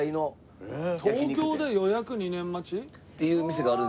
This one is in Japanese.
東京で予約２年待ち？っていう店があるんですって。